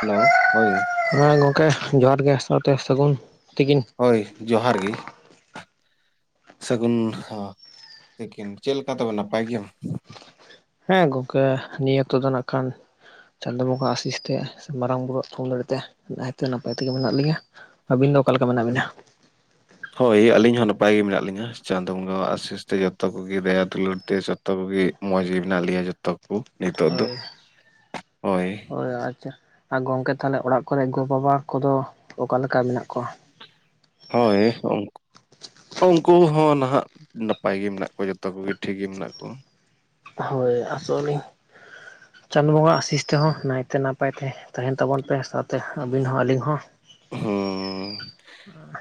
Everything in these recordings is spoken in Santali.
ᱦᱮᱞᱳ, ᱦᱳᱭ᱾ ᱦᱮᱸ ᱜᱚᱢᱠᱮ ᱡᱚᱦᱟᱨ ᱜᱮ ᱥᱟᱶᱛᱮ ᱥᱟᱹᱜᱩᱱ ᱛᱤᱠᱤᱱ ᱾ ᱦᱳᱭ ᱡᱚᱦᱟᱨ ᱜᱮ᱾ ᱥᱟᱹᱜᱩᱱ ᱦᱚᱸ ᱛᱤᱠᱤᱱ ᱪᱮᱫ‌ ᱞᱮᱠᱟ ᱛᱚᱵᱮ ᱱᱟᱯᱟᱭ ᱜᱮᱭᱟᱢ? ᱦᱮᱸ ᱜᱚᱝᱠᱮ ᱱᱤᱭᱟᱹ ᱚᱠᱛᱚ ᱫᱚ ᱱᱟᱜ ᱠᱷᱟᱱ ᱪᱟᱸᱫᱳ ᱵᱚᱸᱜᱟ ᱟᱥᱤᱥ ᱛᱮ ᱥᱮ ᱢᱟᱨᱟᱝ ᱵᱩᱨᱩᱣᱟᱜ ᱛᱷᱩᱢ ᱫᱟᱲᱮ ᱛᱮ ᱱᱟᱭᱛᱮ ᱱᱟᱯᱟᱭ ᱛᱮᱜᱮ ᱢᱮᱱᱟᱜ ᱞᱤᱧᱟ᱾ ᱟᱹᱵᱤᱱ ᱫᱚ ᱚᱠᱟ ᱞᱮᱠᱟ ᱢᱮᱱᱟᱜ ᱵᱤᱱᱟ? ᱦᱳᱭ ᱟᱹᱞᱤᱧ ᱦᱚᱸ ᱱᱟᱯᱟᱭ ᱜᱮ ᱢᱮᱱᱟᱜ ᱞᱤᱧᱟ ᱪᱟᱸᱫᱳ ᱵᱚᱸᱜᱟᱣᱟᱜ ᱟᱥᱤᱥ ᱛᱮ ᱡᱚᱛᱚ ᱠᱚᱜᱮ ᱫᱟᱭᱟ ᱫᱩᱞᱟᱹᱲ ᱛᱮ ᱡᱚᱛᱚ ᱠᱩᱜᱤ ᱢᱚᱸᱡᱽ ᱜᱮ ᱢᱮᱱᱟᱜ ᱞᱮᱭᱟ ᱡᱚᱛᱚ ᱠᱩ ᱱᱤᱛᱚᱜ ᱫᱚ ᱦᱳᱭ᱾ ᱟᱪᱷᱟ ᱾ ᱟᱨ ᱜᱚᱝᱠᱮ ᱛᱟᱦᱚᱞᱮ ᱚᱲᱟᱜ ᱠᱚᱨᱮ ᱜᱚ ᱵᱟᱵᱟ ᱠᱚᱫᱚ ᱚᱠᱟ ᱞᱮᱠᱟ ᱢᱮᱱᱟᱜ ᱠᱚᱣᱟ? ᱦᱳᱭ ᱾ ᱩᱱᱠᱩ ᱦᱚᱸ ᱱᱟᱦᱟᱸᱜ ᱱᱟᱯᱟᱭ ᱜᱮ ᱢᱮᱱᱟᱜ ᱠᱚᱣᱟ ᱡᱚᱛᱚ ᱠᱚᱜᱮ ᱴᱷᱤᱠ ᱜᱮ ᱢᱮᱱᱟᱜ ᱠᱚᱣᱟ᱾ ᱦᱳᱭ ᱟᱥᱚᱜ ᱟᱹᱞᱤᱧ ᱪᱟᱸᱫᱳ ᱵᱚᱸᱜᱟ ᱟᱥᱤᱥ ᱛᱮᱦᱚᱸ ᱱᱟᱭᱛᱮ ᱱᱟᱯ ᱱᱟᱯᱟᱭᱛᱮ ᱛᱟᱦᱮᱱ ᱛᱟᱵᱚᱱ ᱯᱮ ᱥᱟᱶᱛᱮ ᱟᱹᱵᱤᱱ ᱦᱚᱸ ᱟᱹᱞᱤᱧ ᱦᱚᱸ᱾ ᱦᱚᱸ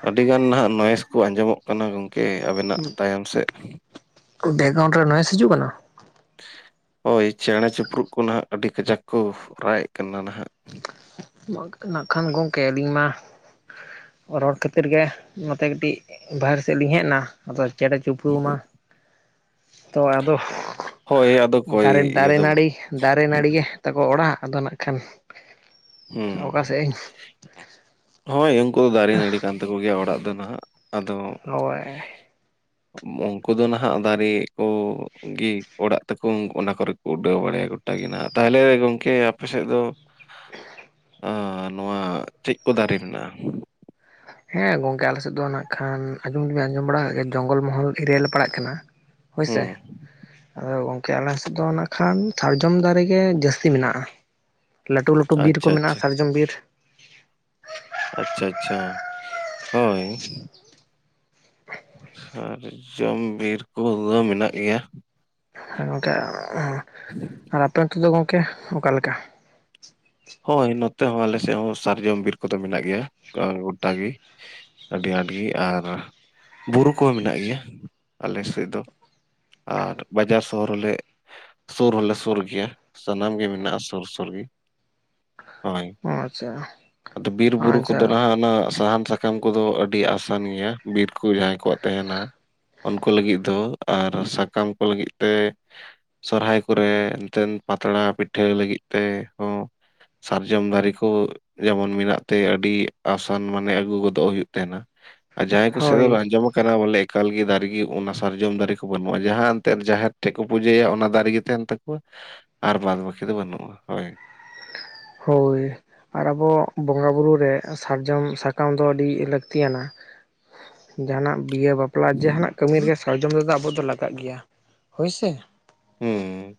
ᱟᱹᱰᱤ ᱜᱟᱱ ᱱᱟᱦᱟᱸᱜ ᱱᱚᱭᱮᱥ ᱠᱚ ᱟᱸᱡᱚᱢᱚᱜ ᱠᱟᱱᱟ ᱜᱚᱝ ᱠᱮ ᱟᱹᱵᱤᱱᱟᱜ ᱛᱟᱭᱚᱢ ᱥᱮᱜ ᱵᱮᱠᱜᱨᱟᱣᱩᱱᱰ ᱨᱮ ᱱᱚᱭᱮᱥ ᱦᱤᱡᱩᱜ ᱠᱟᱱᱟ? ᱦᱳᱭ ᱪᱮᱬᱮ ᱪᱩᱯᱨᱩᱫ ᱠᱚ ᱱᱟᱦᱟᱸᱜ ᱟᱹᱰᱤ ᱠᱟᱡᱟᱠ ᱠᱚ ᱨᱟᱜ ᱮᱜ ᱠᱟᱱᱟ ᱱᱟᱦᱟᱸᱜ᱾ [inaudible] ᱱᱟᱜ ᱠᱷᱟᱱ ᱜᱚᱢᱠᱮ ᱟᱹᱞᱤᱧ ᱢᱟ ᱨᱚᱲ ᱠᱷᱟᱹᱛᱤᱨ ᱜᱮ ᱱᱚᱛᱮ ᱠᱟᱹᱴᱤᱡ ᱵᱟᱦᱮᱨᱮ ᱥᱮᱫ ᱞᱤᱧ ᱦᱮᱡᱱᱟ᱾ ᱟᱫᱚ ᱪᱮᱬᱮ ᱪᱤᱯᱲᱩ ᱢᱟ ᱛᱚ ᱟᱫᱚ ᱦᱳᱭ ᱟᱫᱚ ᱚᱠᱚᱭ ᱫᱟᱨᱮ ᱤᱭᱟᱹ ᱫᱟᱨᱮ ᱫᱚ ᱱᱟᱹᱲᱤ ᱫᱟᱨᱮ ᱱᱟᱹᱲᱤ ᱜᱮ ᱛᱟᱠᱚ ᱚᱲᱟᱜ ᱟᱫᱚ ᱱᱟᱜ ᱠᱷᱟᱱ ᱦᱩᱸ ᱚᱠᱟᱥᱮᱜ ᱤᱧ ᱦᱳᱭ ᱩᱝᱠᱩ ᱫᱚ ᱫᱟᱨᱮ ᱱᱟᱹᱲᱤ ᱠᱟᱱ ᱛᱟᱠᱚ ᱜᱮᱭᱟ ᱚᱲᱟᱜ ᱫᱚ ᱱᱟᱦᱟᱸᱜ, ᱟᱫᱚ ᱦᱳᱭ ᱩᱝᱠᱩ ᱫᱚ ᱱᱟᱦᱟᱸᱜ ᱫᱟᱨᱮ ᱠᱚᱜᱤ ᱚᱲᱟᱜ ᱛᱟᱠᱚ ᱚᱱᱟ ᱠᱚᱨᱮ ᱩᱰᱟᱹᱣ ᱵᱟᱲᱭᱟ ᱜᱚᱴᱟᱜᱤ ᱱᱟᱦᱟᱸᱜ ᱛᱟᱦᱚᱞᱮ ᱜᱚᱝᱠᱮ ᱟᱯᱮ ᱥᱮᱫ ᱫᱚ [unintelligible] ᱟᱨ ᱱᱚᱣᱟ ᱪᱮᱜ ᱠᱚ ᱫᱟᱨᱮ ᱢᱮᱱᱟᱜ-ᱟ? ᱦᱮᱸ ᱜᱚᱝᱠᱮ ᱟᱞᱮ ᱥᱮᱫ ᱫᱚ ᱱᱟᱜ ᱠᱷᱟᱱ ᱟᱸᱡᱚᱢ ᱫᱚ ᱵᱤᱱ ᱟᱸᱡᱚᱢ ᱵᱟᱲᱟ ᱠᱟᱜ ᱜᱮᱭᱟ ᱡᱚᱝᱜᱚᱞ ᱢᱚᱦᱚᱞ ᱮᱨᱤᱭᱟ ᱞᱮ ᱯᱟᱲᱟᱜ ᱠᱟᱱᱟ᱾ ᱦᱩᱸ ᱦᱳᱭᱥᱮ ᱟᱫᱚ [unintelligible] ᱟᱞᱮ ᱥᱮᱫ ᱫᱚ ᱱᱟᱜ ᱠᱷᱟᱱ ᱥᱟᱨᱡᱚᱢ ᱫᱟᱨᱮ ᱜᱮ ᱡᱟᱹᱥᱛᱤ ᱢᱮᱱᱟᱜ-ᱟ᱾ ᱞᱟᱹᱴᱩ ᱞᱟᱹᱴᱩ ᱵᱤᱨ ᱠᱚ ᱟᱪᱪᱷᱟ ᱢᱮᱱᱟᱜ-ᱟ ᱟᱪᱪᱷᱟ ᱥᱟᱨᱡᱚᱢ ᱵᱤᱨ᱾ ᱟᱪᱪᱷᱟ ᱟᱪᱪᱷᱟ ᱦᱳᱭ᱾ ᱥᱟᱨᱡᱚᱢ ᱵᱤᱨ ᱠᱚᱫᱚ ᱢᱮᱱᱟᱜ ᱜᱮᱭᱟ᱾ ᱦᱚᱸ ᱜᱚᱢᱠᱮ ᱟᱨ ᱟᱯᱮ ᱱᱚᱛᱮ ᱫᱚ ᱜᱚᱢᱠᱮ ᱚᱠᱟ ᱞᱮᱠᱟ? ᱦᱳᱭ ᱱᱚᱛᱮ ᱦᱚᱸ ᱟᱞᱮ ᱥᱮᱫ ᱦᱚᱸ ᱥᱟᱨᱡᱚᱢ ᱵᱤᱨ ᱠᱚᱫᱚ ᱢᱮᱱᱟᱜ ᱜᱮᱭᱟ ᱜᱚᱴᱟ ᱜᱮ᱾ ᱟᱹᱰᱤ ᱟᱸᱴ ᱜᱮ ᱟᱨ ᱵᱩᱨᱩ ᱠᱚᱦᱚᱸ ᱢᱮᱱᱟᱜ ᱜᱮᱭᱟ ᱟᱞᱮ ᱥᱮᱫ ᱫᱚ᱾ ᱟᱨ ᱵᱟᱡᱟᱨ ᱥᱚᱦᱚᱨ ᱨᱮᱞᱮ ᱥᱩᱨ ᱦᱚᱞᱮ ᱥᱩᱨ ᱜᱮᱭᱟ ᱥᱟᱱᱟᱢ ᱜᱮ ᱢᱮᱱᱟᱜ-ᱟ ᱥᱩᱨ ᱥᱩᱨ ᱜᱮ ᱾ ᱦᱳᱭ, ᱚ ᱟᱪᱪᱷᱟ ᱟᱫᱚ ᱵᱤᱨ ᱵᱩᱨᱩ ᱟᱪᱪᱷᱟ ᱠᱚᱫᱚ ᱱᱟᱦᱟᱸᱜ ᱥᱟᱦᱟᱱ ᱥᱟ ᱥᱟᱠᱟᱢ ᱠᱚᱫᱚ ᱟᱹᱰᱤ ᱟᱥᱟᱱ ᱜᱮᱭᱟ ᱵᱤᱨ ᱠᱚ ᱡᱟᱦᱟᱸᱭ ᱠᱚᱣᱟᱜ ᱛᱟᱦᱮᱱᱟ ᱾ ᱩᱱᱠᱩ ᱞᱟᱹᱜᱤᱫ ᱫᱚ ᱟᱨ ᱥᱟᱠᱟᱢ ᱠᱚ ᱞᱟᱹᱜᱤᱫ ᱛᱮ ᱥᱚᱨᱚᱦᱦᱟᱭ ᱠᱚᱨᱮ ᱮᱱᱛᱮᱫ ᱯᱟᱛᱲᱟ ᱯᱤᱴᱷᱟᱹ ᱞᱟᱹᱜᱤᱫ ᱛᱮ ᱦᱚᱸ ᱥᱟᱨᱡᱚᱢ ᱫᱟᱨᱮ ᱠᱚ ᱡᱮᱢᱚᱱ ᱢᱮᱱᱟᱜ ᱛᱮ ᱟᱹᱰᱤ ᱟᱥᱟᱱ ᱢᱟᱱᱮ ᱟᱹᱜᱩ ᱜᱚᱫᱚᱜ ᱦᱩᱭᱩᱜ ᱛᱟᱦᱮᱸᱱᱟ᱾ ᱟᱨ ᱡᱟᱦᱟᱸᱭ ᱠᱚ ᱥᱮᱫ ᱦᱳᱭ ᱟᱸᱡᱚᱢ ᱠᱟᱱᱟ ᱵᱚᱞᱮ ᱮᱠᱟᱞ ᱜᱮ ᱫᱟᱨᱮ ᱜᱮ ᱚᱱᱟ ᱥᱟᱨᱡᱚᱢ ᱫᱟᱨᱮ ᱠᱚ ᱵᱟᱹᱱᱩᱜᱼᱟ ᱡᱟᱦᱟᱸ ᱮᱱᱛᱮᱜ ᱡᱟᱦᱮᱨ ᱴᱷᱮᱡ ᱠᱚ ᱯᱩᱡᱟᱹᱭᱟ ᱚᱱᱟ ᱫᱟᱨᱮ ᱜᱮ ᱛᱟᱦᱮᱸᱱ ᱛᱟᱠᱚᱣᱟ, ᱟᱨ ᱵᱟᱫ ᱵᱟᱠᱤ ᱫᱚ ᱵᱟᱹᱱᱩᱜᱼᱟ ᱦᱳᱭ᱾ ᱦᱳᱭ᱾ ᱟᱨ ᱟᱵᱚ ᱵᱚᱸᱜᱟ ᱵᱩᱨᱩ ᱨᱮ ᱥᱟᱨᱡᱚᱢ ᱥᱟᱠᱟᱢ ᱫᱚ ᱟᱹᱰᱤ ᱞᱟᱹᱠᱛᱤᱭᱟᱱᱟ, ᱡᱟᱦᱟᱸᱱᱟᱜ ᱵᱤᱭᱮ ᱵᱟᱯᱞᱟ ᱡᱟᱦᱟᱸᱱᱟᱜ ᱠᱟᱹᱢᱤ ᱨᱮᱜᱮ ᱥᱟᱨᱡᱚᱢ ᱛᱮᱫᱚ ᱟᱵᱚ ᱫᱚ ᱞᱟᱜᱟᱜ ᱜᱮᱭᱟ ᱦᱳᱭᱥᱮ? ᱦᱩᱸ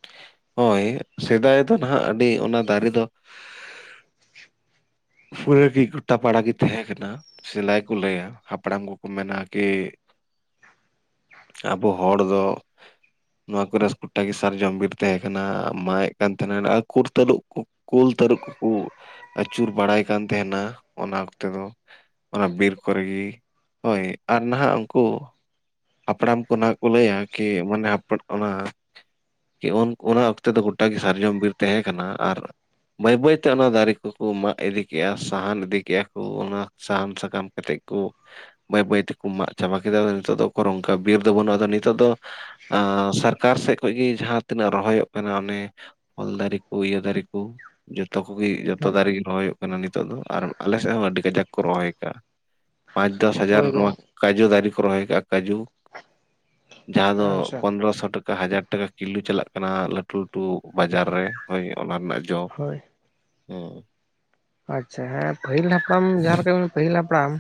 ᱦᱳᱭ ᱥᱮᱫᱟᱭ ᱫᱚ ᱱᱟᱦᱟᱸᱜ ᱟᱹᱰᱤ ᱚᱱᱟ ᱫᱟᱨᱮ ᱫᱚ ᱯᱩᱨᱟᱹ ᱜᱮ ᱜᱚᱴᱟ ᱯᱟᱲᱟ ᱜᱮ ᱛᱟᱦᱮᱸ ᱠᱟᱱᱟ ᱥᱮᱞᱟᱭ ᱠᱚ ᱞᱟᱹᱭᱟ ᱦᱟᱯᱲᱟᱢ ᱠᱚᱠᱚ ᱢᱮᱱᱟ ᱠᱤ ᱟᱵᱚ ᱦᱚᱲ ᱫᱚ ᱱᱚᱣᱟ ᱠᱚᱨᱮ ᱜᱚᱚᱴᱟ ᱜᱮ ᱥᱟᱨ ᱡᱚᱢ ᱵᱤᱨ ᱛᱟᱦᱮᱸ ᱠᱟᱱᱟ ᱢᱟᱭᱮᱫ ᱠᱟᱱ ᱛᱟᱦᱮᱸᱱᱟ ᱟᱨ ᱠᱩᱨ ᱛᱟᱹᱨᱩᱜ ᱠᱩ ᱠᱩᱞ ᱛᱟᱹᱨᱩᱵ ᱠᱩ ᱟᱹᱪᱩᱨ ᱵᱟᱲᱟᱭ ᱠᱟᱱ ᱛᱟᱦᱮᱸᱱᱟ ᱚᱱᱟ ᱚᱠᱛᱮ ᱫᱚ ᱚᱱᱟ ᱵᱤᱨ ᱠᱚᱨᱮ ᱜᱤ ᱦᱳᱭ ᱟᱨ ᱱᱟᱦᱟᱸᱜ ᱩᱝᱠᱩ ᱦᱟᱯᱲᱟᱢ ᱠᱚ ᱱᱟᱦᱟᱸᱜ ᱠᱚ ᱞᱟᱹᱭᱟ ᱠᱤ ᱢᱟᱱᱮ ᱟᱯᱲᱟ ᱚᱱᱟ ᱠᱤ ᱩᱱ ᱚᱱᱟ ᱚᱠᱛᱮ ᱫᱚ ᱜᱚᱴᱟ ᱥᱟᱨᱡᱚᱢ ᱵᱤᱨ ᱛᱟᱦᱮᱸ ᱠᱟᱱᱟ ᱟᱨ ᱵᱟᱹᱭ ᱵᱟᱹᱭ ᱛᱮ ᱚᱱᱟ ᱫᱟᱨᱮ ᱠᱚᱠᱚ ᱢᱟᱜ ᱤᱫᱤ ᱠᱮᱫᱮᱜᱼᱟ ᱥᱟᱦᱟᱱ ᱤᱫᱤ ᱠᱮᱜᱼᱟ ᱠᱚ ᱚᱱᱟ ᱥᱟᱦᱟᱱ ᱥᱟᱠᱟᱢ ᱠᱟ ᱠᱟᱛᱮᱜ ᱠᱩ ᱵᱟᱹᱭ ᱵᱟᱹᱭ ᱛᱮᱠᱩ ᱢᱟᱜ ᱪᱟᱵᱟ ᱠᱮᱫᱟ ᱱᱤᱛᱚᱜ ᱫᱚ ᱚᱱᱠᱚᱨ ᱵᱤᱨ ᱫᱚ ᱵᱟᱹᱱᱩᱜᱼᱟ ᱟᱫᱚ ᱱᱤᱛᱚᱜ ᱫᱚ ᱟᱸ ᱥᱚᱨᱠᱟᱨ ᱥᱮᱫ ᱠᱷᱚᱡ ᱜᱮ ᱡᱟᱦᱟᱸ ᱛᱤᱱᱟᱹᱜ ᱨᱚᱦᱚᱭᱚᱜ ᱠᱟᱱᱟ ᱚᱱᱮ ᱚᱞ ᱫᱟᱨᱮ ᱠᱚ ᱤᱭᱟᱹ ᱫᱟᱨᱮ ᱠᱩ ᱡᱚᱛᱚ ᱠᱚᱜᱮ ᱡᱚᱛᱚ ᱫᱟᱨᱮ ᱜᱮ ᱨᱚᱦᱚᱭᱩᱜ ᱠᱟᱱᱟ ᱱᱤᱛᱚᱜ ᱫᱚ ᱟᱨ ᱟᱞᱮ ᱥᱮᱫ ᱦᱚᱸ ᱟᱹᱰᱤ ᱠᱟᱡᱟᱠ ᱠᱚ ᱨᱚᱦᱚᱭ ᱠᱟᱜᱼᱟ᱾ ᱯᱟᱸᱪ ᱫᱚᱥ ᱦᱟᱡᱟᱨ ᱦᱳᱭ ᱱᱚᱣᱟ ᱜᱚᱝ ᱠᱟᱡᱩ ᱫᱟᱨᱮ ᱠᱚ ᱨᱚᱦᱚᱭ ᱠᱟᱜᱼᱟ ᱠᱟᱹᱡᱩ ᱡᱟᱦᱟᱸ ᱫᱚ ᱟᱪᱪᱷᱟ ᱯᱚᱱᱨᱚᱥᱚ ᱴᱟ ᱠᱟ ᱦᱟᱡᱟᱨ ᱴᱟᱠᱟ ᱠᱤᱞᱳ ᱪᱟᱞᱟᱜ ᱠᱟᱱᱟ ᱞᱟᱹᱴᱩ ᱞᱟᱹᱴᱩ ᱵᱟᱡᱟᱨ ᱨᱮ ᱦᱳᱭ ᱚᱱᱟ ᱨᱮᱱᱟᱜ ᱡᱚ ᱦᱳᱭ ᱦᱩᱸ᱾ ᱟᱪᱪᱷᱟ ᱦᱮᱸ ᱯᱟᱹᱦᱤᱞ ᱦᱟᱯᱲᱟᱢ ᱡᱟᱦᱟᱸᱮ ᱞᱮᱠᱟ ᱯᱟᱹᱦᱤᱞ ᱦᱟᱯᱲᱟᱢ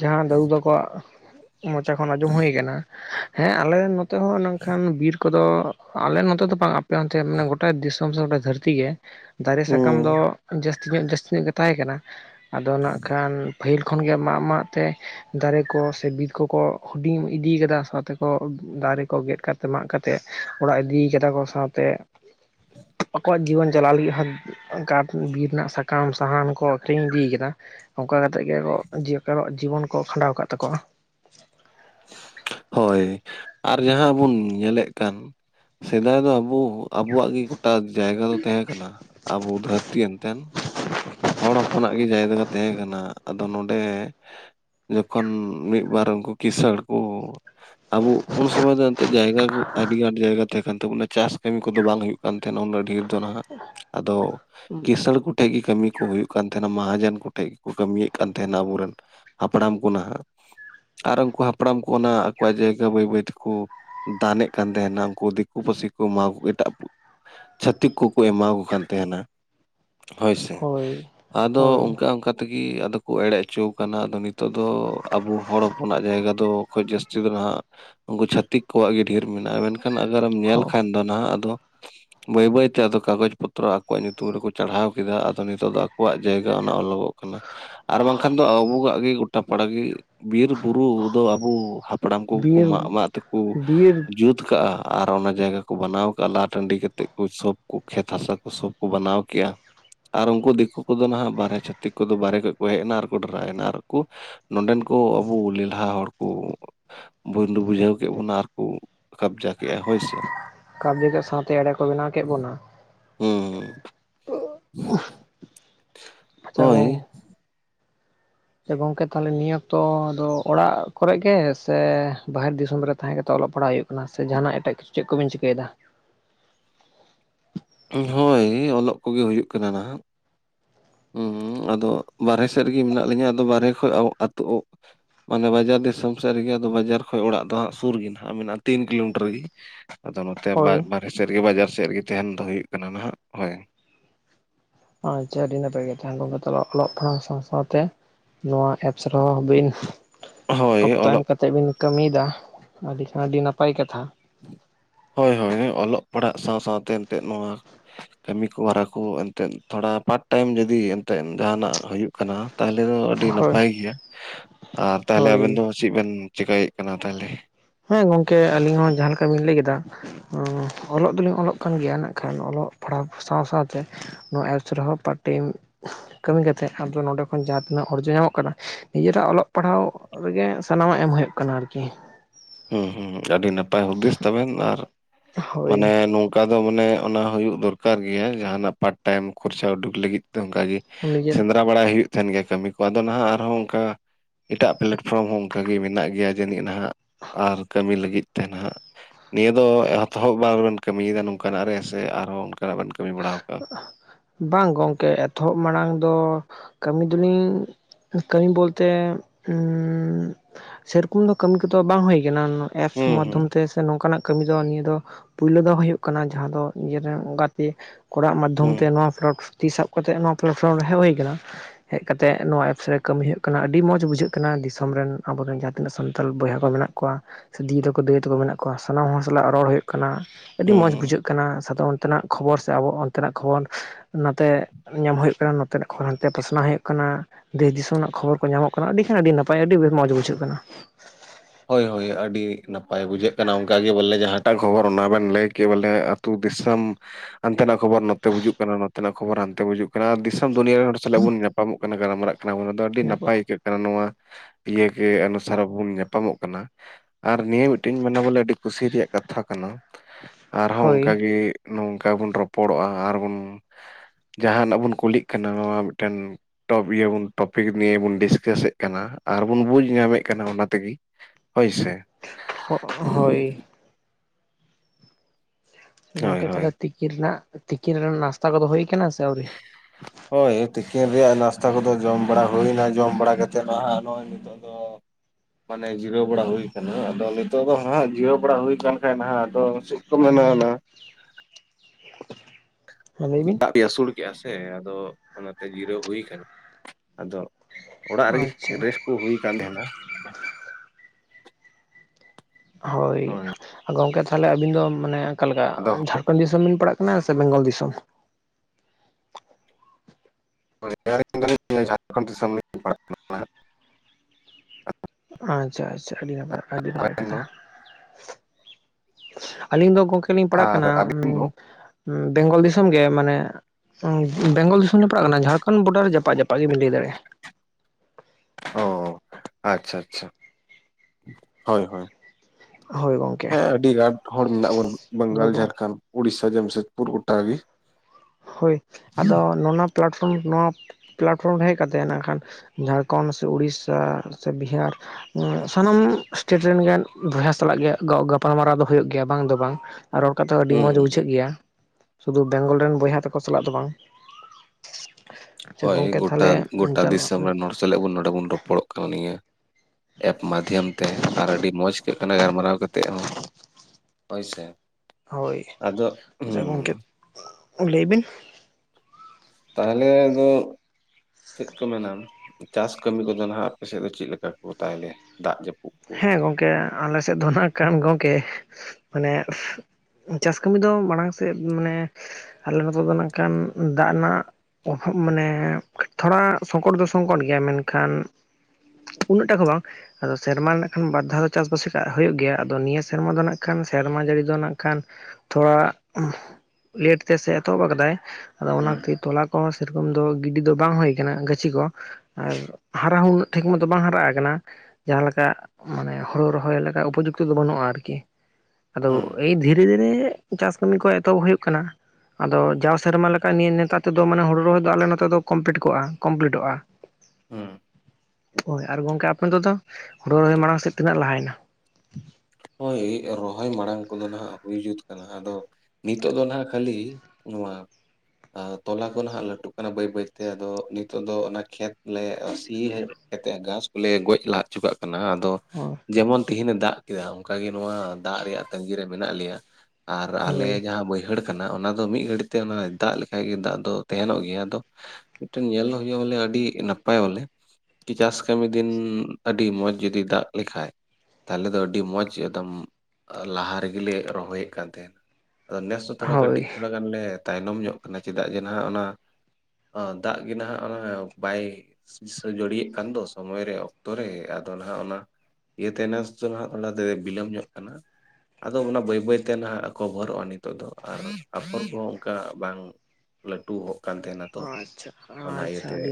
ᱡᱟᱦᱟᱸ ᱫᱟᱹᱫᱩ ᱛᱟᱠᱚᱣᱟᱜ ᱢᱚᱪᱟ ᱠᱷᱚᱱ ᱟᱸᱡᱚᱢ ᱦᱩᱭ ᱠᱟᱱᱟ, ᱦᱮᱸ ᱟᱞᱮ ᱱᱚᱛᱮ ᱦᱚᱸ ᱱᱚᱝᱠᱷᱟᱱ ᱵᱤᱨ ᱠᱚᱫᱚ ᱟᱞᱮ ᱱᱚᱛᱮ ᱫᱚ ᱵᱟᱝ ᱟᱯᱮ ᱦᱚᱱᱛᱮ ᱢᱟᱱᱮ ᱜᱚ ᱴᱟ ᱫᱤᱥᱚᱢ ᱥᱮ ᱜᱚᱴᱟ ᱫᱷᱟᱹᱨᱛᱤ ᱜᱮ ᱫᱟᱨᱮ ᱥᱟᱠᱟᱢ ᱫᱚ ᱦᱩᱸ ᱡᱟᱹᱥᱛᱤ ᱧᱚᱜ ᱡᱟᱹᱥᱛᱤ ᱧᱚᱜ ᱜᱮ ᱛᱟᱦᱮᱸ ᱠᱟᱱᱟ, ᱟᱫᱚ ᱱᱟᱜ ᱠᱷᱟᱱ ᱯᱟᱹᱦᱤᱞ ᱠᱷᱚᱱᱜᱮ ᱢᱟᱜ- ᱢᱟᱜ ᱛᱮ ᱫᱟᱨᱮ ᱠᱚ ᱥᱮ ᱵᱤᱨ ᱠᱚᱠᱚ ᱦᱩᱰᱤᱧ ᱤᱫᱤᱠᱟᱫᱟ ᱥᱟᱶᱛᱮᱠᱚ ᱫᱟᱨᱮ ᱠᱚ ᱜᱮᱫ ᱠᱟ ᱛᱮ ᱢᱟᱜ ᱠᱟᱛᱮᱫ ᱚᱲᱟᱜ ᱤᱫᱤᱭ ᱠᱟᱫᱟ ᱠᱚ ᱥᱟᱶᱛᱮ ᱟᱠᱚᱣᱟᱜ ᱡᱤᱵᱚᱱ ᱪᱟᱞᱟᱣ ᱞᱟᱹᱜᱤᱫ ᱦᱚᱸ ᱠᱟᱴ ᱵᱤᱨ ᱨᱮᱱᱟᱜ ᱥᱟ ᱠᱟᱢ ᱥᱟᱦᱟᱱ ᱠᱚ ᱟᱹᱷᱨᱤᱧ ᱤᱫᱤ ᱠᱟᱫᱟ ᱚᱱᱠᱟ ᱠᱟᱛᱮᱜ ᱜᱮ ᱠᱚ ᱡᱤᱭᱟᱹᱠᱟᱨᱣᱟᱜ ᱡᱤᱵᱚᱱ ᱠᱚ ᱠᱷᱟᱸᱰᱟᱣ ᱠᱟᱫ ᱛᱟᱠᱚᱣᱟ᱾ ᱦᱳᱭ ᱟᱨ ᱡᱟᱦᱟᱸ ᱵᱚᱱ ᱧᱮᱞᱮᱜ ᱠᱟᱱ ᱥᱮᱫᱟᱭ ᱫᱚ ᱟᱵᱩ ᱟᱵᱩᱣᱟᱜ ᱜᱮ ᱜᱚᱴᱟ ᱡᱟᱭᱜᱟ ᱫᱚ ᱛᱟᱦᱮᱸ ᱠᱟᱱᱟ ᱟᱵᱚ ᱫᱷᱟᱹᱨᱛᱤ ᱮᱱᱛᱮᱱ, ᱦᱚᱲ ᱦᱚᱯᱚᱱᱟᱜ ᱜᱮ ᱡᱟᱭᱜᱟ ᱠᱚ ᱛᱟᱦᱮᱸ ᱠᱟᱱᱟ ᱟᱫᱚ ᱱᱚᱸᱰᱮ ᱡᱚᱠᱷᱚᱱ ᱢᱤᱫ ᱵᱟᱨ ᱩᱝᱠᱩ ᱠᱤᱥᱟᱬ ᱠᱩ ᱟᱵᱚ ᱩᱱ ᱥᱚᱢᱚᱭ ᱫᱚ ᱮᱱᱛᱮ ᱡᱟᱭᱜᱟ ᱠᱚ ᱟᱹᱰᱤ ᱟᱴ ᱡᱟᱭᱜᱟ ᱛᱮᱦᱮ ᱠᱟᱱ ᱛᱟᱵᱚᱱᱟ ᱪᱟᱥ ᱠᱟᱹᱢᱤ ᱠᱚᱫᱚ ᱵᱟᱝ ᱦᱩᱭᱩᱜ ᱠᱟᱱ ᱛᱟᱦᱮᱸᱱᱟ ᱩᱱᱟᱹᱜ ᱰᱷᱮᱨ ᱫᱚ ᱱᱟᱦᱟᱸᱜ ᱟᱫᱚ ᱠᱤᱥᱟᱹᱲ ᱠᱚᱴᱷᱮᱡ ᱜᱮ ᱠᱟᱹᱢᱤ ᱠᱚ ᱦᱩᱭᱩᱜ ᱠᱟᱱ ᱛᱟᱦᱮᱸᱱᱟ ᱢᱟᱦᱟᱡᱚᱱ ᱠᱚᱴᱷᱮᱱ ᱜᱮᱠᱚ ᱠᱟᱹᱢᱤᱭᱮᱫ ᱠᱟᱱ ᱛᱟᱦᱮᱸᱱᱟ ᱟᱵᱚᱨᱮᱱ᱾ ᱦᱟᱯᱲᱟᱢ ᱠᱚ ᱱᱟᱦᱟᱜ᱾ ᱟᱨ ᱩᱝᱠᱩ ᱦᱟᱯᱲᱟᱢ ᱠᱚ ᱚᱱᱟ ᱟᱠᱚᱣᱟᱜ ᱡᱟᱭᱜᱟ ᱵᱟᱹᱭ ᱵᱟᱹᱭ ᱛᱮᱠᱚ ᱫᱟᱱᱮᱜ ᱠᱟᱱ ᱛᱟᱸᱦᱮᱱᱟ ᱩᱝᱠᱩ ᱫᱤᱠᱩ ᱯᱩᱥᱤ ᱠᱚ ᱮᱢᱟᱣᱟᱠᱚ ᱮᱴᱟᱜ ᱪᱷᱟᱹᱛᱤᱠ ᱠᱚᱠᱚ ᱮᱢᱟᱣᱟᱠᱚ ᱠᱟᱱ ᱛᱟᱸᱦᱮᱱᱟ ᱦᱳᱭ ᱥᱮ᱾ ᱦᱳᱭ ᱟᱫᱚ ᱦᱳᱭ ᱚᱝᱠᱟ ᱚᱝᱠᱟ ᱛᱮᱜᱮ ᱟᱫᱚ ᱠᱚ ᱮᱲᱮ ᱦᱚᱪᱚ ᱟᱠᱟᱱᱟ ᱟᱫᱚ ᱱᱤᱛᱚᱜ ᱫᱚ ᱟᱵᱚ ᱦᱚᱲ ᱦᱚᱯᱚᱱᱟᱜ ᱡᱟᱭᱜᱟ ᱫᱚ ᱠᱷᱚᱡ ᱡᱟᱹᱥᱛᱤ ᱫᱚ ᱱᱟᱦᱟᱜ ᱩᱱᱠᱩ ᱪᱷᱟᱹᱛᱤᱠ ᱠᱚᱣᱟᱜ ᱜᱮ ᱰᱷᱮᱨ ᱢᱮᱱᱟᱜ-ᱟ, ᱢᱮᱱᱠᱷᱟᱱ ᱟᱜᱟᱨᱮᱢ ᱧᱮᱞ ᱦᱚᱸ ᱠᱷᱟᱱ ᱫᱚ ᱱᱟᱦᱟᱜ ᱟᱫᱚ ᱵᱟᱹᱭ ᱵᱟᱹᱭᱛᱮ ᱟᱫᱚ ᱠᱟᱜᱚᱡᱽ ᱯᱚᱛᱨᱚ ᱟᱠᱚᱣᱟᱜ ᱧᱩᱛᱩᱢ ᱨᱮᱠᱚ ᱪᱟᱲᱦᱟᱣ ᱠᱮᱫᱟ ᱟᱫᱚ ᱱᱤᱛᱚᱜ ᱫᱚ ᱟᱠᱚᱣᱟᱜ ᱡᱟᱭᱜᱟ ᱚᱱᱟ ᱚᱞᱚᱜᱚᱜ ᱠᱟᱱᱟ, ᱟᱨ ᱵᱟᱝᱠᱷᱟᱱ ᱫᱚ ᱟᱵᱚᱟᱜ ᱜᱮ ᱜᱚᱴᱟ ᱯᱟᱲᱟ ᱜᱮ ᱵᱤᱨ ᱵᱩᱨᱩ ᱫᱚ ᱟᱵᱚ ᱦᱟᱯᱲᱟᱢ ᱠᱚᱜᱮ ᱠᱚ ᱵᱤᱨ ᱢᱟᱜ ᱢᱟᱜ ᱛᱮᱠᱚ ᱵᱤᱨ ᱡᱩᱛ ᱠᱟᱜ-ᱟ᱾ ᱟᱨ ᱚᱱᱟ ᱡᱟᱭᱜᱟ ᱠᱚ ᱵᱟᱱᱟᱣ ᱠᱟᱜ-ᱟ᱾ ᱞᱟ ᱴᱟᱺᱰᱤ ᱠᱟᱛᱮᱫ ᱠᱚ ᱥᱚᱵ ᱠᱚ ᱠᱷᱮᱛ ᱦᱟᱥᱟ ᱠᱚ ᱥᱚᱵ ᱠᱚ ᱵᱟᱱᱟᱣ ᱠᱮᱜ-ᱟ᱾ ᱟᱨ ᱩᱝᱠᱩ ᱫᱤᱠᱩ ᱠᱚᱫᱚ ᱱᱟᱦᱟᱜ ᱵᱟᱨᱦᱮ ᱪᱷᱟᱹᱛᱤᱠ ᱠᱚᱫᱚ ᱵᱟᱨᱦᱮ ᱠᱷᱚᱡ ᱠᱚ ᱦᱮᱡᱱᱟ ᱟᱨᱠᱚ ᱰᱮᱨᱟᱭᱮᱱᱟ ᱟᱨ ᱠᱩ ᱱᱚᱰᱮᱱ ᱠᱚ ᱟᱵᱚ ᱞᱮᱞᱦᱟ ᱦᱚᱲ ᱠᱚ ᱵᱚᱱᱫᱷᱩ ᱵᱩᱡᱷᱟᱹᱣ ᱠᱮᱫ ᱵᱚᱱᱟ ᱟᱨᱠᱚ ᱠᱟᱵᱽᱡᱟ ᱠᱮᱜ-ᱟ ᱦᱳᱭ ᱥᱮ᱾ ᱠᱟᱵᱽᱡᱤ ᱥᱟᱶᱛᱮ ᱮᱲᱮ ᱠᱚ ᱵᱮᱱᱟᱣ ᱠᱮᱜ ᱵᱚᱱᱟ᱾ ᱦᱩᱸ᱾ ᱟᱪᱪᱷᱟ ᱢᱟ᱾ ᱦᱳᱭ ᱟᱪᱪᱷᱟ ᱜᱚᱝᱠᱮ, ᱛᱟᱦᱞᱮ ᱱᱤᱭᱟᱹ ᱚᱠᱛᱚ ᱫᱚ ᱚᱲᱟᱜ ᱠᱚᱨᱮ ᱜᱮ ᱥᱮ ᱵᱟᱦᱮᱨᱮ ᱫᱤᱥᱚᱢ ᱨᱮ ᱛᱟᱦᱮᱸ ᱠᱟᱛᱮ ᱚᱞᱚᱜ ᱯᱟᱲᱦᱟᱜ ᱦᱩᱭᱩᱜ ᱠᱟᱱᱟ, ᱥᱮ ᱡᱟᱸᱦᱟᱱᱟᱜ ᱮᱴᱟᱜ ᱠᱤᱪᱷᱩ ᱪᱮᱫ ᱠᱚᱵᱤᱱ ᱪᱤᱠᱟᱹᱭᱫᱟ? ᱦᱳᱭ, ᱚᱞᱚᱜ ᱠᱚᱜᱮ ᱦᱩᱭᱩᱜ ᱠᱟᱱᱟ ᱱᱟᱦᱟᱜ᱾ ᱦᱩᱸ, ᱟᱫᱚ ᱵᱟᱨᱦᱮ ᱥᱮᱡ ᱨᱮᱜᱮ ᱢᱮᱱᱟᱜ ᱞᱤᱧᱟᱹ ᱟᱫᱚ ᱵᱟᱨᱦᱮ ᱠᱷᱚᱡ ᱟᱹᱛᱩ ᱢᱟᱱᱮ ᱵᱟᱡᱟᱨ ᱫᱤᱥᱚᱢ ᱥᱮᱫ ᱨᱮᱜᱮ᱾ ᱟᱫᱚ ᱵᱟᱡᱟᱨ ᱠᱷᱚᱡ ᱚᱲᱟᱜ ᱫᱚ ᱦᱟᱸᱜ ᱥᱩᱨ ᱜᱮ ᱱᱟᱜ ᱢᱮᱱᱟᱜ-ᱟ ᱛᱤᱱ ᱠᱤᱞᱳᱢᱤᱴᱟᱨ ᱜᱮ᱾ ᱟᱫᱚ ᱱᱚᱛᱮ ᱵᱟ ᱦᱳᱭ ᱵᱟᱨᱦᱮ ᱥᱮᱫ ᱨᱮᱜᱮ ᱵᱟᱡᱟᱨ ᱥᱮᱫ ᱨᱮᱜᱮ ᱛᱮᱦᱮᱱ ᱫᱚ ᱦᱩᱭᱩᱜ ᱠᱟᱱᱟ ᱱᱟᱜ ᱦᱳᱭ᱾ ᱟᱪᱪᱷᱟ ᱟᱹᱰᱤ ᱱᱟᱯᱟᱭ ᱠᱟᱛᱷᱟ᱾ ᱜᱚᱝᱠᱮ ᱛᱟᱦᱞᱮ ᱚᱞᱚᱜ ᱯᱟᱲᱦᱟᱣ ᱥᱟᱶ ᱥᱟᱶᱛᱮ ᱱᱚᱣᱟ ᱮᱯᱥ ᱨᱮᱦᱚᱸ ᱵᱤᱱ ᱦᱳᱭ ᱚᱠᱛᱚ ᱮᱢ ᱚᱞᱚᱜ ᱠᱟᱛᱮᱜ ᱵᱤᱱ ᱠᱟᱹᱢᱤᱭᱫᱟ, ᱟᱹᱰᱤ ᱠᱷᱟᱱ ᱟᱹᱰᱤ ᱱᱟᱯᱟᱭ ᱠᱟᱛᱷᱟ᱾ ᱦᱳᱭ ᱦᱳᱭ ᱚᱞᱚᱜ ᱯᱟᱲᱦᱟᱜ ᱥᱟᱶ ᱥᱟᱶᱛᱮ ᱮᱱᱛᱮᱜ ᱱᱚᱣᱟ᱾ ᱠᱟᱹᱢᱤ ᱠᱚ ᱦᱚᱨᱟ ᱠᱚ ᱮᱱᱛᱮᱫ ᱛᱷᱚᱲᱟ ᱯᱟᱴ ᱴᱟᱭᱤᱢ ᱡᱩᱫᱤ ᱮᱱᱛᱮᱫ ᱡᱟᱸᱦᱟᱱᱟᱜ ᱦᱩᱭᱩᱜ ᱠᱟᱱᱟ᱾ ᱛᱟᱦᱞᱮ ᱫᱚ ᱟᱹᱰᱤ ᱦᱳᱭ ᱱᱟᱯᱟᱭ ᱜᱮᱭᱟ ᱟᱨ ᱛᱟᱦᱞᱮ ᱟᱵᱮᱱ ᱦᱳᱭ ᱫᱚ ᱪᱮᱫ ᱵᱮᱱ ᱪᱮᱠᱟᱭᱮᱫ ᱠᱟᱱᱟ ᱛᱟᱦᱞᱮ? ᱦᱮᱸ ᱜᱚᱝᱠᱮ ᱟᱹᱞᱤᱧ ᱦᱚᱸ ᱡᱟᱦᱟᱸ ᱞᱮᱠᱟ ᱵᱤᱱ ᱞᱟᱹᱭ ᱠᱮᱫᱟ᱾ ᱩᱸᱻ ᱚᱞᱚᱜ ᱫᱚᱞᱤᱧ ᱚᱞᱚᱜ ᱠᱟᱱ ᱜᱮᱭᱟ ᱱᱟᱜ ᱠᱷᱟᱱ᱾ ᱚᱞᱚᱜ ᱯᱟᱲᱦᱟᱣ ᱥᱟᱶ ᱥᱟᱶᱛᱮ ᱱᱚᱣᱟ ᱮᱯᱥ ᱨᱮᱦᱚᱸ ᱯᱟᱨᱴᱟᱭᱤᱢ ᱠᱟᱹᱢᱤ ᱠᱟᱛᱮᱫ ᱟᱫᱚ ᱱᱚᱰᱮ ᱠᱷᱚᱱ ᱡᱟᱦᱟᱸ ᱛᱤᱱᱟᱹᱜ ᱚᱨᱡᱚ ᱧᱟᱢᱚᱜ ᱠᱟᱱᱟ ᱱᱤᱡᱮᱨᱟᱜ ᱚᱞᱚᱜ ᱯᱟᱲᱦᱟᱣ ᱨᱮᱜᱮ ᱥᱟᱱᱟᱢᱟᱜ ᱮᱢ ᱦᱩᱭᱩᱜ ᱠᱟᱱᱟ ᱟᱨᱠᱤ᱾ ᱦᱩᱸ ᱦᱩᱸ ᱟᱹᱰᱤ ᱱᱟᱯᱟᱭ ᱦᱩᱫᱤᱥ ᱛᱟᱵᱮᱱ ᱟᱨ ᱦᱳᱭ ᱢᱟᱱᱮ ᱱᱚ ᱚᱱᱠᱟ ᱫᱚ ᱢᱟᱱᱮ ᱚᱱᱟ ᱦᱩᱭᱩᱜ ᱫᱚᱨᱠᱟᱨ ᱜᱮᱭᱟ ᱡᱟᱦᱟᱱᱟᱜ ᱯᱟᱴ ᱴᱟᱭᱤᱢ ᱠᱷᱚᱨᱪᱟ ᱩᱰᱩᱠ ᱞᱟᱹᱜᱤᱫ ᱛᱮ ᱚᱱᱠᱟᱜ ᱜᱮ᱾ ᱚᱱᱮ ᱡᱮ ᱚᱱᱠᱟ ᱵᱟᱲᱟᱭ ᱦᱩᱭᱩᱜ ᱛᱟᱸᱦᱮᱱ ᱜᱮᱭᱟ ᱠᱟᱹᱢᱤ ᱠᱚ ᱟᱫᱚ ᱱᱟᱦᱟᱜ ᱟᱨᱦᱚᱸ ᱚᱱᱠᱟ ᱮᱴᱟᱜ ᱯᱞᱟᱴᱯᱷᱨᱚᱢ ᱦᱚᱸ ᱚᱝᱠᱟᱜ ᱜᱮ ᱢᱮᱱᱟᱜ ᱜᱮᱭᱟ ᱡᱟᱹᱱᱤᱡ ᱱᱟᱦᱟᱜ᱾ ᱟᱨ ᱠᱟᱹᱢᱤ ᱞᱟᱹᱜᱤᱫ ᱛᱮ ᱱᱟᱦᱟᱜ᱾ ᱱᱤᱭᱟᱹ ᱫᱚ ᱮᱛᱚᱦᱚᱵ ᱵᱟᱨ ᱵᱮᱱ ᱠᱟᱹᱢᱤᱭᱮᱫᱟ ᱱᱚᱝᱠᱟᱱᱟᱜ ᱨᱮ ᱥᱮ ᱟᱨᱦᱚᱸ ᱚᱱᱠᱟᱱᱟᱜ ᱵᱮᱱ ᱠᱟᱹᱢᱤ ᱵᱟᱲᱟᱣ ᱠᱟᱫ᱾ ᱵᱟᱝ ᱜᱚᱝᱠᱮ ᱮᱛᱚᱦᱚᱵ ᱢᱟᱲᱟᱝ ᱫᱚ ᱠᱟᱹᱢᱤ ᱫᱚᱞᱤᱧ ᱠᱟᱹᱢᱤ ᱵᱚᱞᱛᱮ ᱩᱸᱻ ᱥᱮᱨᱚᱠᱚᱢ ᱫᱚ ᱠᱟᱹᱢᱤ ᱠᱚᱫᱚ ᱵᱟᱝ ᱦᱩᱭ ᱠᱟᱱᱟ ᱩᱱᱟᱹᱜ᱾ ᱮᱯᱥ ᱦᱩᱸ ᱦᱩᱸ ᱢᱟᱫᱽᱫᱷᱚᱢ ᱛᱮ ᱥᱮ ᱱᱚᱝᱠᱟᱱᱟᱜ ᱠᱟᱹᱢᱤ ᱫᱚ ᱱᱤᱭᱟᱹ ᱫᱚ ᱯᱩᱭᱞᱳ ᱫᱚ ᱦᱩᱭᱩᱜ ᱠᱟᱱᱟ ᱡᱟᱦᱟᱸ ᱫᱚ ᱱᱤᱡᱮᱨᱮ ᱜᱟᱛ ᱛᱮ ᱠᱚᱲᱟ ᱟᱜ ᱢᱟᱫᱽᱫᱷᱚᱢ ᱦᱩᱸ ᱛᱮ ᱱᱚᱣᱟ ᱯᱷᱚᱨᱚᱴ ᱛᱤ ᱥᱟᱵ ᱠᱟᱛᱮᱜ ᱱᱚᱣᱟ ᱯᱞᱟᱴᱯᱷᱨᱚᱢ ᱨᱮ ᱦᱮᱡ ᱦᱩᱭ ᱠᱟᱱᱟ᱾ ᱦᱮᱡ ᱠᱟᱛᱮᱜ ᱱᱚᱣᱟ ᱮᱯᱥ ᱨᱮ ᱠᱟᱹᱢᱤ ᱦᱩᱭᱩᱜ ᱠᱟᱱᱟ ᱟᱹᱰᱤ ᱢᱚᱸᱡᱽ ᱵᱩᱡᱷᱟᱹᱜ ᱠᱟᱱᱟ ᱫᱤᱥᱚᱢ ᱨᱮᱱ ᱟᱵᱚᱨᱮᱱ ᱡᱟᱛ ᱛᱤᱱᱟᱹᱜ ᱥᱟᱱᱛᱟᱞ ᱵᱚᱭᱦᱟ ᱠᱚ ᱢᱮᱱᱟᱜ ᱠᱚᱣᱟ ᱥᱮ ᱫᱤᱫᱤ ᱛᱟᱠᱚ ᱫᱟᱹᱭ ᱛᱟᱠᱚ ᱢᱮᱱᱟᱜ ᱠᱚᱣᱟ ᱥᱟᱱᱟᱢ ᱦᱚᱲ ᱥᱟᱞᱟᱜ ᱨᱚᱲ ᱦᱩᱭᱩᱜ ᱠᱟᱱᱟ ᱟᱹᱰᱤ ᱦᱩᱸ ᱢᱚᱸᱡᱽ ᱦᱩᱸ ᱵᱩᱡᱷᱟᱹᱜ ᱠᱟᱱᱟ ᱥᱟᱛᱮ ᱚᱱᱛᱮᱱᱟᱜ ᱠᱷᱚᱵᱚᱨ ᱥᱮ ᱟᱵᱚ ᱚᱱᱛᱮᱱᱟᱜ ᱠᱷᱚᱵᱚᱨ ᱱᱟᱛᱮ ᱧᱟᱢ ᱦᱩᱭᱩᱜ ᱠᱟᱱᱟ ᱱᱚᱛᱮᱱᱟᱜ ᱠᱷᱚᱱ ᱦᱟᱱᱛᱮ ᱯᱟᱥᱱᱟᱣ ᱦᱩᱭᱩᱜ ᱠᱟᱱᱟ ᱫᱮᱥ ᱫᱤᱥᱚᱢ ᱨᱮᱱᱟᱜ ᱠᱷᱚᱵᱚᱨ ᱠᱚ ᱧᱟᱢᱚᱜ ᱠᱟᱱᱟ ᱟᱹᱰᱤ ᱠᱷᱟᱱ ᱟᱹᱰᱤ ᱱᱟᱯᱟᱭ ᱟᱹᱰᱤ ᱢᱚᱡᱽ ᱵᱩᱡᱷᱟᱹᱜ ᱠᱟᱱᱟ᱾ ᱦᱳᱭ ᱦᱳᱭ ᱟᱹᱰᱤ ᱱᱟᱯᱟᱭ ᱵᱩᱡᱷᱟᱹᱜ ᱠᱟᱱᱟ ᱚᱱᱠᱟᱜ ᱜᱮ ᱵᱚᱞᱮ ᱡᱟᱦᱟᱸᱴᱟᱜ ᱠᱷᱚᱵᱚᱨ ᱚᱱᱟ ᱵᱮᱱ ᱞᱟᱹᱭ ᱠᱮᱜ ᱵᱚᱞᱮ ᱛᱩ ᱫᱤᱥᱚᱢ ᱦᱟᱱᱛᱮᱱᱟᱜ ᱠᱷᱚᱵᱚᱨ ᱱᱚᱛᱮ ᱵᱩᱡᱩᱜ ᱠᱟᱱᱟ ᱱᱚᱛᱮᱱᱟᱜ ᱠᱷᱚᱵᱚᱨ ᱦᱟᱱᱛᱮ ᱵᱩᱡᱩᱜ ᱠᱟᱱᱟ ᱟᱨ ᱫᱤᱥᱚᱢ ᱫᱩᱱᱭᱟᱹ ᱨᱮ ᱦᱚᱲ ᱥᱟᱞᱟᱜ ᱵᱚᱱ ᱧᱟᱯᱟᱢᱚᱜ ᱠᱟᱱᱟ ᱜᱟᱨ ᱢᱟᱨᱟᱜ ᱠᱟᱱᱟ ᱵᱚᱱ ᱟᱹᱰᱤ ᱱᱟᱯᱟᱭ ᱟᱹᱭᱠᱟᱹᱜ ᱠᱟᱱᱟ ᱱᱚᱣᱟ ᱤᱭᱟᱹ ᱜᱮ ᱚᱱᱩᱥᱟᱨ ᱦᱚᱸ ᱵᱚᱱ ᱧᱟᱯ ᱯᱟᱢᱚᱜ ᱠᱟᱱᱟ ᱟᱨ ᱱᱤᱭᱟᱹ ᱢᱤᱫᱴᱮᱱ ᱢᱮᱱᱟ ᱵᱚᱞᱮ ᱟᱹᱰᱤ ᱠᱩᱥᱤ ᱨᱮᱭᱟᱜ ᱠᱟᱛ ᱛᱷᱟ ᱠᱟᱱᱟ ᱟᱨᱦᱚᱸ ᱚᱱᱠᱟ ᱦᱳᱭ ᱜᱮ ᱱᱚᱝᱠᱟ ᱵᱚᱱ ᱨᱚᱯᱚᱲᱚᱜ-ᱟ ᱟᱨᱵᱚᱱ ᱡᱟᱦᱟᱱᱟᱜ ᱵᱚᱱ ᱠᱩᱞᱤᱜ ᱠᱟᱱᱟ ᱱᱚᱣᱟ ᱢᱤᱫᱴᱮᱱ ᱴᱚᱯ ᱤᱭᱟᱹ ᱵᱚᱱ ᱴᱚᱯᱤᱠ ᱱᱤᱭᱮ ᱵᱚᱱ ᱰᱤᱥᱠᱟᱥᱮᱜ ᱠᱟᱱᱟ ᱟᱨᱵᱚᱱ ᱵᱩᱡᱽ ᱧᱟᱢᱮᱜ ᱠᱟᱱᱟ ᱚᱱᱟ ᱛᱮᱜᱮ᱾ ᱦᱳᱭ ᱥᱮ ᱦᱳᱜ ᱦᱳᱭ ᱦᱳᱭ ᱜᱚᱝᱠᱮ ᱦᱳᱭ ᱛᱟᱦᱚᱞᱮ ᱛᱤᱠᱤᱱ ᱨᱮᱱᱟᱜ ᱛᱤᱠᱤᱱ ᱨᱮᱱᱟᱜ ᱱᱟᱥᱛᱟ ᱠᱚᱫᱚ ᱦᱩᱭᱠᱟᱱᱟ ᱥᱮ ᱟᱹᱣᱨᱤ? ᱦᱳᱭ ᱛᱤᱠᱤᱱ ᱨᱮᱭᱟᱜ ᱱᱟᱥᱛᱟ ᱠᱚᱫᱚ ᱡᱚᱢ ᱵᱟᱲᱟ ᱦᱩᱭᱱᱟ ᱡᱚᱢ ᱵᱟᱲᱟ ᱠᱟᱛᱮᱫ ᱱᱟᱦᱟᱜ ᱱᱚᱜ-ᱚᱭ ᱱᱤᱛᱚᱜ ᱫᱚ ᱢᱟᱱᱮ ᱡᱤᱨᱟᱹᱣ ᱵᱟᱲᱟ ᱦᱩᱭ ᱠᱟᱱᱟ ᱟᱫᱚ ᱱᱤᱛᱚᱜ ᱫᱚ ᱦᱟᱜ ᱡᱤᱨᱟᱹᱣ ᱵᱟᱲᱟ ᱦᱩᱭᱠᱟᱱ ᱠᱷᱟᱡ ᱱᱟᱦᱟᱜ ᱟᱫᱚ ᱫᱮᱜ ᱠᱚ ᱢᱮᱱᱟ ᱚᱱᱟ ᱦᱮᱸ ᱞᱟᱹᱭ ᱵᱤᱱ ᱟᱹᱰᱤ ᱟᱹᱥᱩᱞ ᱜᱮᱭᱟ ᱥᱮ ᱟᱫᱚ ᱚᱱᱟᱛᱮ ᱡᱤᱨᱟᱹᱣ ᱦᱩᱭ ᱠᱟᱱᱟ ᱟᱫᱚ ᱚᱲᱟᱜ ᱨᱮᱜᱮ ᱟᱪᱪᱷᱟ ᱨᱮᱥ ᱠᱚ ᱦᱩᱭ ᱠᱟᱱ ᱛᱟᱦᱮᱱᱟ ᱦᱳᱭ ᱜᱚᱝᱠᱮ ᱛᱟᱦᱚᱞᱮ ᱟᱹᱵᱤᱱ ᱫᱚ ᱢᱟᱱᱮ ᱟᱠᱟᱞᱮᱠᱟ ᱟᱫᱚ ᱡᱷᱟᱲᱠᱷᱚᱸᱱᱰ ᱫᱤᱥᱚᱢ ᱵᱤᱱ ᱯᱟᱲᱟᱜ ᱠᱟᱱᱟ ᱥᱮ ᱵᱮᱝᱜᱚᱞ ᱫᱤᱥᱚᱱ? [inaudible] ᱟᱪᱪᱷᱟ ᱟᱪᱪᱷᱟ ᱟᱹᱰᱤ ᱱᱟᱯᱟᱭ ᱟᱹᱰᱤ ᱱᱟᱯᱟᱭ ᱟᱵᱮᱱ ᱠᱟᱛᱷᱟ᱾ ᱫᱚ ᱟᱹᱞᱤᱧ ᱫᱚ ᱜᱚᱝᱠᱮ ᱞᱤᱧ ᱯᱟᱲᱟᱜ ᱟᱨ ᱠᱟᱱᱟ ᱟᱹᱵᱤᱱ ᱫᱚ ᱩᱸ ᱵᱮᱝᱜᱚᱞ ᱫᱤᱥᱚᱢ ᱜᱮ ᱢᱟᱱᱮ ᱵᱮᱝᱜᱚᱞ ᱫᱤᱥᱚᱢ ᱞᱮ ᱯᱟᱲᱟᱜ ᱠᱟᱱᱟ ᱡᱷᱟᱲᱠᱷᱚᱸᱱᱰ ᱵᱚᱰᱟᱨ ᱡᱟᱯᱟᱜ ᱡᱟᱯᱟᱜ ᱜᱮᱵᱤᱱ ᱞᱟᱹᱭ ᱫᱟᱲᱮᱭᱟᱜ-ᱟ᱾ ᱚᱸ ᱟᱪᱪᱷᱟ ᱟᱪᱪᱷᱟ ᱦᱳᱭ ᱦᱳᱭ ᱦᱳᱭ ᱜᱚᱝᱠᱮ ᱦᱮᱸ ᱟᱹᱰᱤ ᱟᱴ ᱦᱚᱲ ᱢᱮᱱᱟᱜ ᱵᱚᱱᱟ ᱵᱮᱹᱝᱜᱟᱞ ᱟᱫᱚ ᱡᱷᱟᱲᱠᱷᱚᱱᱰ ᱩᱲᱤᱥᱥᱟ ᱡᱟᱢᱥᱮᱫᱽᱯᱩᱨ ᱜᱚᱴᱟᱜ ᱜᱮ ᱦᱳᱭ ᱟᱫᱚ ᱱᱚᱱᱟ ᱯᱞᱟᱴᱯᱷᱨᱚᱢ ᱱᱚᱣᱟ ᱯᱞᱟᱴᱯᱷᱨᱚᱢ ᱨᱮ ᱦᱮᱡ ᱠᱟᱛᱮ ᱱᱟᱜ ᱠᱷᱟᱱ ᱡᱷᱟᱲᱠᱷᱚᱸᱱᱰ ᱥᱮ ᱩᱲᱤᱥᱥᱟ ᱥᱮ ᱵᱤᱦᱟᱨ ᱥᱟᱱᱟᱢ ᱮᱥᱴᱮᱴ ᱨᱮᱱ ᱜᱮ ᱵᱚᱭᱦᱟ ᱥᱟᱞᱟᱜ ᱜᱮ ᱜᱟ-ᱜᱟᱯᱟᱞᱢᱟᱨᱟᱣ ᱫᱚ ᱦᱩᱭᱩᱜ ᱜᱮᱭᱟ ᱵᱟᱝ ᱫᱚ ᱵᱟᱝ ᱟᱨ ᱨᱚᱲ ᱠᱟᱛᱮᱫ ᱦᱚᱸ ᱟᱹᱰᱤ ᱦᱩᱸ ᱢᱚᱸᱡᱽ ᱦᱩᱸ ᱵᱩᱡᱷᱟᱹᱜ ᱜᱮᱭᱟ ᱥᱩᱫᱩ ᱵᱮᱝᱜᱚᱞ ᱨᱮᱱ ᱵᱚᱭᱦᱟ ᱛᱟᱠᱚ ᱥᱟᱞᱟᱜ ᱫᱚ ᱵᱟᱝ ᱟᱪᱪᱷᱟ ᱦᱳᱭ ᱜᱚᱝᱠᱮ ᱜᱚᱴᱟ ᱛᱟᱦᱚᱞᱮ ᱜᱚᱴᱟ ᱪᱟᱞᱟᱜ ᱫᱤᱥᱚᱢ ᱨᱮ ᱦᱚᱲ ᱪᱟᱞᱮᱜ ᱵᱚᱱ ᱱᱚᱰᱮ ᱵᱚᱱ ᱨᱚᱯᱚᱲᱚᱜ ᱠᱟᱱᱟ ᱱᱤᱭᱟᱹ ᱮᱯ ᱢᱟᱫᱽᱫᱷᱮᱭᱮᱢ ᱛᱮ ᱟᱨ ᱟᱹᱰᱤ ᱢᱚᱸᱡᱽ ᱟᱹᱭᱠᱟᱹᱜ ᱠᱟᱱᱟ ᱜᱟᱞᱢᱟᱨᱟᱣ ᱠᱟᱛᱮᱫ ᱦᱚᱸ ᱦᱳᱭ ᱥᱮ ᱦᱳᱭ ᱡᱮ ᱜᱚᱝᱠᱮᱛ ᱞᱟᱹᱭ ᱵᱤᱱ ᱛᱟᱦᱞᱮ ᱫᱚ ᱪᱮᱫ ᱠᱚ ᱢᱮᱱᱟ ᱪᱟᱥ ᱠᱟᱹᱢᱤ ᱠᱚᱫᱚ ᱱᱟᱦᱟᱜ ᱟᱯᱮᱥᱮᱫ ᱫᱚ ᱪᱮᱜᱞᱮᱠᱟ ᱠᱚ ᱛᱟᱭᱞᱮ ᱫᱟᱜ ᱡᱟᱹᱯᱩᱫ ᱠᱩ? ᱦᱮᱸ ᱜᱚᱝᱠᱮ ᱟᱞᱮ ᱥᱮᱫ ᱫᱚ ᱱᱟᱜ ᱠᱷᱟᱱ ᱜᱚᱝᱠᱮ ᱢᱟᱱᱮ ᱪᱟᱥ ᱠᱟᱹᱢᱤ ᱫᱚ ᱢᱟᱲᱟᱝ ᱥᱮᱫ ᱢᱟᱱᱮ ᱟᱞᱮ ᱱᱚᱛᱮ ᱫᱚ ᱱᱟᱜ ᱠᱷᱟᱱ ᱫᱟᱜ ᱨᱮᱱᱟᱜ ᱚᱵᱷᱟᱵ ᱢᱟᱱᱮ ᱛᱷᱚᱲᱟ ᱥᱚᱝᱠᱚᱴ ᱫᱚ ᱥᱚᱝᱠᱚᱴ ᱜᱮᱭᱟ ᱢᱮᱱᱠᱷᱟᱱ ᱩᱱᱟᱹᱜ ᱴᱟ ᱦᱚᱸ ᱵᱟᱝ ᱟᱫᱚ ᱥᱮᱨᱢᱟ ᱨᱮ ᱱᱟᱜᱠᱷᱟᱱ ᱵᱟᱨ ᱫᱷᱟᱣ ᱫᱚ ᱪᱟᱥ ᱵᱟᱥᱤᱠᱟᱜ ᱦᱩᱭᱩᱜ ᱜᱮᱭᱟ ᱟᱫᱚ ᱱᱤᱭᱟᱹ ᱥᱮᱨᱢᱟ ᱫᱚ ᱱᱟᱜ ᱠᱷᱟᱱ ᱥᱮᱨᱢᱟ ᱡᱟᱹᱲᱤ ᱫᱚ ᱱᱟᱜ ᱠᱷᱟᱱ ᱛᱷᱚᱲᱟ ᱞᱮᱴ ᱛᱮᱥᱮ ᱮᱛᱚᱦᱚᱵ ᱟᱠᱟᱫᱟᱭ ᱟᱫᱚ ᱚᱱᱟ ᱦᱩᱸ ᱠᱷᱟᱹᱛᱤᱨ ᱛᱚᱞᱟ ᱠᱚᱦᱚᱸ ᱥᱮᱨᱚᱠᱚᱢ ᱫᱚ ᱜᱤᱰᱤ ᱫᱚ ᱵᱟᱝ ᱦᱩᱭ ᱟᱠᱟᱱᱟ ᱜᱟᱹᱪᱷᱤ ᱠᱚ᱾ ᱟᱨ ᱦᱟᱨᱟ ᱦᱚᱸ ᱩᱱᱟᱹᱜ ᱴᱷᱤᱠ ᱢᱚᱛᱚ ᱵᱟᱝ ᱦᱟᱨᱟ ᱠᱟᱱᱟ ᱡᱟᱦᱟᱸ ᱞᱮᱠᱟ ᱢᱟᱱᱮ ᱦᱩᱲᱩ ᱨᱚᱦᱚᱭ ᱞᱮᱠᱟ ᱩᱯᱚᱡᱩᱠᱛᱚ ᱫᱚ ᱵᱟᱹᱱᱩᱜᱼᱟ ᱟᱨᱠᱤ ᱟᱫᱚ ᱦᱩᱸ ᱮᱭ ᱫᱷᱤᱨᱮ ᱫᱷᱤᱨᱮ ᱪᱟᱥ ᱠᱟᱹᱢᱤ ᱠᱚ ᱮᱛᱚᱦᱚᱵ ᱦᱩᱭᱩᱜ ᱠᱟᱱᱟ᱾ ᱟᱫᱚ ᱡᱟᱣ ᱥᱮᱨᱢᱟ ᱞᱮᱠᱟ ᱱᱤᱭᱟᱹ ᱱᱮᱛᱟᱨ ᱛᱮᱫᱚ ᱢᱟᱱᱮ ᱦᱩᱲᱩ ᱨᱚᱦᱚᱭ ᱫᱚ ᱟᱞᱮ ᱱᱚᱛᱮ ᱫᱚ ᱠᱚᱢᱯᱞᱤᱴ ᱠᱚᱜᱼᱟ, ᱠᱚᱢᱯᱞᱤᱴᱚᱜᱼᱟ᱾ ᱦᱩᱸ᱾ ᱦᱳᱭ ᱟᱨ ᱜᱚᱝᱠᱮ ᱟᱯᱮ ᱚᱱᱛᱮ ᱫᱚ᱾ ᱦᱳᱲᱳ ᱨᱚᱦᱚᱭ ᱢᱟᱲᱟᱝ ᱥᱮᱫ ᱛᱤᱱᱟᱹᱜ ᱞᱟᱦᱟᱭᱱᱟ? ᱦᱳᱭ ᱨᱚᱦᱚᱭ ᱢᱟᱲᱟᱝ ᱠᱚᱫᱚ ᱱᱟᱜ ᱦᱩᱭ ᱡᱩᱛ ᱠᱟᱱᱟ ᱟᱫᱚ᱾ ᱱᱤᱛᱚᱜ ᱫᱚ ᱱᱟᱜ ᱠᱷᱟᱹᱞᱤ ᱱᱚᱣᱟ ᱟ ᱛᱚᱞᱟ ᱠᱚ ᱱᱟᱦᱟᱜ ᱞᱟᱹᱴᱩᱜ ᱠᱟᱱᱟ ᱵᱟᱹᱭ ᱵᱟᱹᱭᱛᱮ ᱟᱫᱚ ᱱᱤᱛᱚᱜ ᱫᱚ ᱚᱱᱟ ᱠᱷᱮᱛ ᱞᱮ ᱥᱤᱭᱟ᱾ ᱠᱮᱛᱮᱜ ᱜᱷᱟᱸᱥ ᱠᱚᱞᱮ ᱜᱚᱡ ᱞᱟᱦᱟ ᱦᱚᱪᱚ ᱠᱟᱜ ᱠᱟᱱᱟ ᱟᱫᱚ ᱦᱚᱭ᱾ ᱡᱮᱢᱚᱱ ᱛᱮᱦᱤᱱᱮ ᱫᱟᱜ ᱠᱮᱫᱟ ᱚᱱᱠᱟᱜᱮ ᱱᱚᱣᱟ ᱫᱟᱜ ᱨᱮᱭᱟᱜ ᱛᱟᱸᱜᱤᱨᱮ ᱢᱮᱱᱟᱜ ᱞᱮᱭᱟ᱾ ᱟᱨ ᱟᱞᱮ ᱦᱳᱭ ᱡᱟᱦᱟᱸ ᱵᱟᱹᱭᱦᱟᱹᱲ ᱠᱟᱱᱟ ᱚᱱᱟ ᱫᱚ ᱢᱤᱫ ᱜᱷᱟᱹᱲᱤᱡ ᱛᱮ ᱚᱱᱟ ᱫᱟᱜ ᱞᱮᱠᱷᱟᱡ ᱜᱮ ᱫᱟᱜ ᱫᱚ ᱛᱟᱸᱦᱮᱱᱚᱜ ᱜᱮᱭᱟ ᱟᱫᱚ ᱢᱤᱫᱴᱮᱱ ᱧᱮᱞ ᱦᱩᱭᱩᱜᱼᱟ ᱵᱚᱞᱮ ᱟᱹᱰᱤ ᱱᱟᱯᱟᱭ ᱵᱚᱞᱮ ᱠᱤ ᱪᱟᱥ ᱠᱟᱹᱢᱤ ᱫᱤᱱ ᱟᱹᱰᱤ ᱢᱚᱡᱽ ᱡᱩᱫᱤ ᱫᱟᱜ ᱞᱮᱠᱷᱟᱡ ᱛᱟᱦᱚᱞᱮ ᱫᱚ ᱟᱹᱰᱤ ᱟᱹᱰᱤ ᱢᱚᱸᱡᱽ ᱮᱠᱫᱚᱢ ᱞᱟᱦᱟ ᱨᱮᱜᱮ ᱞᱮ ᱨᱚᱦᱚᱭᱮᱫ ᱠᱟᱱ ᱛᱟᱸᱦᱮᱱᱟ᱾ ᱟᱫᱚ ᱱᱮᱥ ᱫᱚ ᱛᱷᱚᱲᱟ ᱦᱳᱭ᱾ ᱠᱟᱹᱴᱤᱡ ᱛᱷᱚᱲᱟ ᱜᱟᱱᱞᱮ ᱛᱟᱭᱱᱚᱢ ᱧᱚᱜ ᱠᱟᱱᱟ ᱪᱮᱫᱟᱜ ᱡᱮ ᱱᱟᱜ ᱚᱱᱟ ᱚ ᱫᱟᱜ ᱜᱮ ᱱᱟᱜ ᱚᱱᱟ ᱵᱟᱭ ᱡᱟᱹᱲᱤᱭᱮᱫ ᱠᱟᱱ ᱫᱚ ᱥᱚᱢᱚᱭ ᱨᱮ ᱚᱠᱛᱚ ᱨᱮ ᱟᱫᱚ ᱱᱟᱜ ᱚᱱᱟ ᱤᱭᱟᱹᱛᱮ ᱱᱮᱥ ᱫᱚ ᱱᱟᱜ ᱚᱱᱟ ᱛᱮᱞᱮ ᱵᱤᱞᱚᱢ ᱧᱚᱜ ᱠᱟᱱᱟ᱾ ᱟᱫᱚ ᱚᱱᱟ ᱵᱟᱹᱭ ᱵᱟᱹᱭᱛᱮ ᱱᱟᱜ ᱠᱚᱵᱷᱚᱨᱚᱜᱼᱟ ᱱᱤᱛᱚᱜ ᱫᱚ ᱟᱨ ᱟᱯᱷᱚᱨ ᱠᱚᱦᱚᱸ ᱚᱱᱠᱟ ᱵᱟᱝ ᱞᱟᱹᱴᱩ ᱦᱚᱜ ᱠᱟᱱ ᱛᱟᱸᱦᱮᱱᱟ ᱛᱚ ᱟᱪᱪᱷᱟ ᱚᱱᱟ ᱟᱪᱪᱷᱟ ᱤᱭᱟᱹᱛᱮ᱾ ᱟᱹᱰᱤ